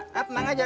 nah tenang aja